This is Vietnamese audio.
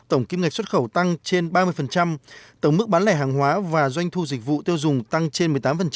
tổng kim ngạch xuất khẩu tăng trên ba mươi tổng mức bán lẻ hàng hóa và doanh thu dịch vụ tiêu dùng tăng trên một mươi tám